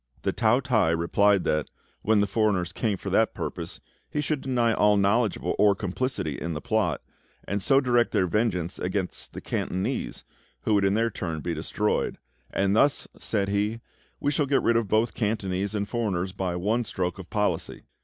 The Tao t'ai replied that, when the foreigners came for that purpose, he should deny all knowledge of or complicity in the plot, and so direct their vengeance against the Cantonese, who would in their turn be destroyed; "and thus," said he, "we shall get rid of both Cantonese and foreigners by one stroke of policy."